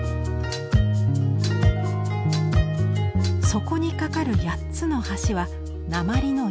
そこに架かる８つの橋は鉛の板。